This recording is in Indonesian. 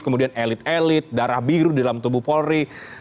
kemudian elit elit darah biru di dalam tubuh polri